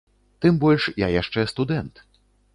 Тым больш, я яшчэ студэнт.